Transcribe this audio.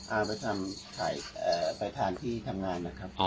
เอาไปทานที่ทำงานนะครับ